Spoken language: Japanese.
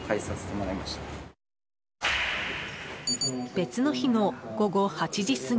別の日の午後８時過ぎ。